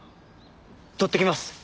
取ってきます。